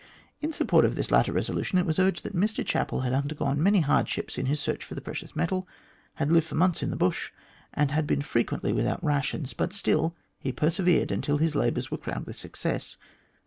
In support of this latter resolution it was urged that Mr Chapel had undergone many hardships in his search for the precious metal, had lived for months in the bush, and had frequently been without rations, but still he persevered until his labours were crowned with success.